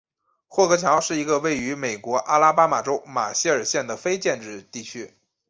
霍格乔是一个位于美国阿拉巴马州马歇尔县的非建制地区。